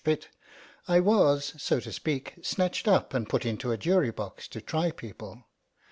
Pitt, I was, so to speak, snatched up and put into a jury box to try people.